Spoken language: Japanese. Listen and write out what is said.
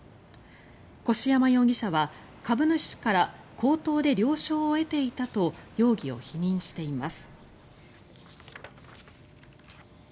越山容疑者は株主から口頭で了承を得ていたと容疑を否認しています。